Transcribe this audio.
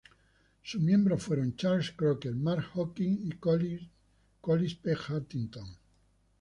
Sus miembros fueron Charles Crocker, Mark Hopkins y Collis P. Huntington.